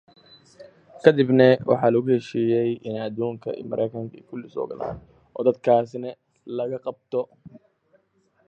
After they escape, Waxman alerts law enforcement to capture them.